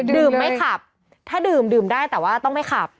ไม่ขับถ้าดื่มดื่มได้แต่ว่าต้องไม่ขับ